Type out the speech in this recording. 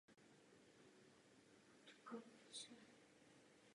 Představitelé centrálních bank vládám navrhli ambiciózní plán k nápravě schodků.